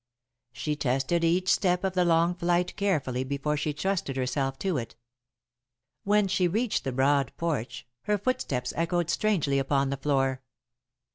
She tested each step of the long flight carefully before she trusted herself to it. When she reached the broad porch, her footsteps echoed strangely upon the floor.